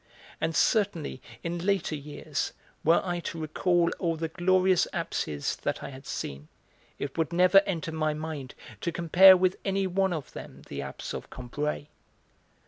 And certainly in later years, were I to recall all the glorious apses that I had seen, it would never enter my mind to compare with any one of them the apse of Combray.